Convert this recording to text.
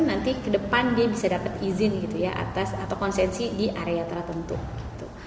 nanti ke depan dia bisa dapat izin gitu ya atas atau konsensi di area tertentu gitu